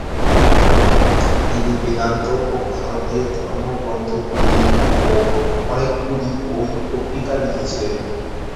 তিনি বেদান্ত ও ভারতীয় ধর্মগ্রন্থগুলির উপর অনেকগুলি বই ও টীকা লিখেছিলেন।